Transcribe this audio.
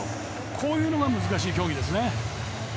こういうのが難しい競技です。